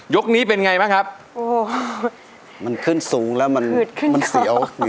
นี้เป็นไงบ้างครับโอ้โหมันขึ้นสูงแล้วมันเสียว